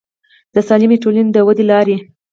د سالمې ټولنې د ودې لارې